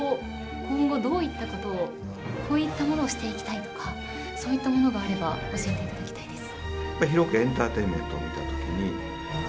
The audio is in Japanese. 今後どういったことをこういったものをしていきたいとかそういったものがあれば教えていただきたいです。